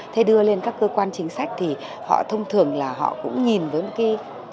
thế đưa lên các cơ quan chính sách thì họ thông thường là họ cũng nhìn với một cái